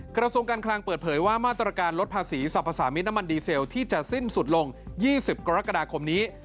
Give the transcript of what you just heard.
กระทรวงการคลังเปิดเผยว่ามาตรการลดภาษีสรรพสามิตรน้ำมันดีเซลที่จะสิ้นสุดลง๒๐กรกฎาคมนี้